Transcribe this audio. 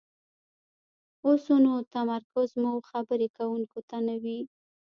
اوسو نو تمرکز مو خبرې کوونکي ته نه وي،